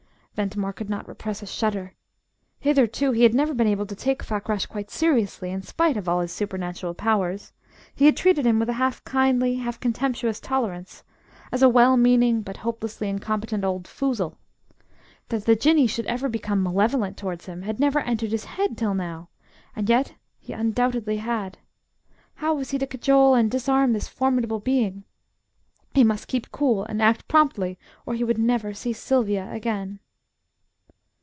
Ventimore could not repress a shudder. Hitherto he had never been able to take Fakrash quite seriously, in spite of all his supernatural powers; he had treated him with a half kindly, half contemptuous tolerance, as a well meaning, but hopelessly incompetent, old foozle. That the Jinnee should ever become malevolent towards him had never entered his head till now and yet he undoubtedly had. How was he to cajole and disarm this formidable being? He must keep cool and act promptly, or he would never see Sylvia again.